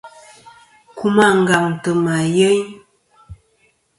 Kum àngaŋtɨ ma yeyn.